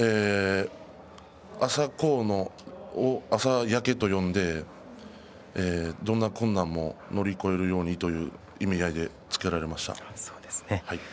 朝紅を「あさやけ」と読んでどんな困難も乗り越えるようにという意味合いで付けられました。